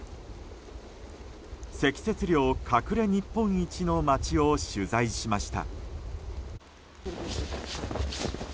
積雪量隠れ日本一の町を取材しました。